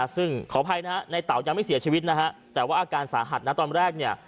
ซึ่งขออภัยนะฮะในเต๋ายังไม่เสียชีวิตนะฮะแต่ว่าอาการสาหัสนะตอนแรกเนี่ย